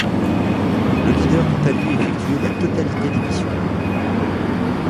Le leader quant à lui effectuait la totalité des missions.